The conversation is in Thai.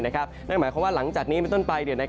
นั่นหมายความว่าหลังจากนี้เป็นต้นไป